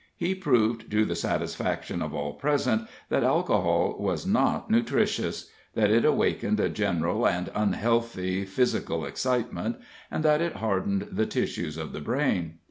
He proved to the satisfaction of all present that alcohol was not nutritious; that it awakened a general and unhealthy physical excitement; and that it hardened the tissues of the brain.